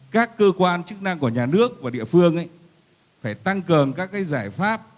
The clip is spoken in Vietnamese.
các cơ quan chức năng của nhà nước và địa phương phải tăng cường các giải pháp